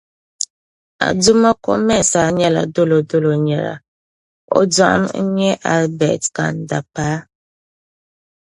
Adomako-Mensah nyɛla Dolodolo nira. O dɔɣim n-nyɛ Albert Kan-Dapaah.